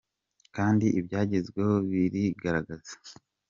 kandi ibyagezweho birigaragaza.